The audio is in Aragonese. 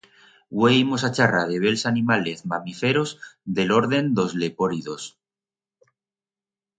Hue imos a charrar de bels animalez mamiferos de l'orden d'os leporidos.